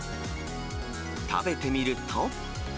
食べてみると。